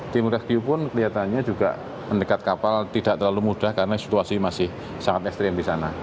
tim rescue pun kelihatannya juga mendekat kapal tidak terlalu mudah karena situasi masih sangat ekstrim di sana